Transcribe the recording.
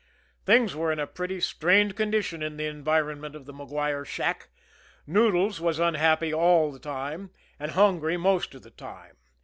Things were in a pretty strained condition in the environment of the Maguire shack; Noodles was unhappy all the time, and hungry most of the time.